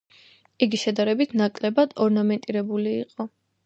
იგი შედარებით ნაკლებად ორნამენტირებული იყო.